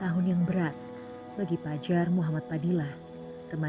oh belajar sendiri